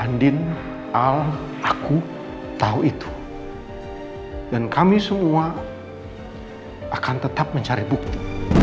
andin al aku tahu itu dan kami semua akan tetap mencari bukti